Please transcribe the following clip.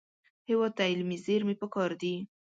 هېواد ته علمي زېرمې پکار دي